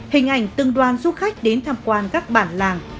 hình ảnh tương đoan du khách đến tham quan các bản làng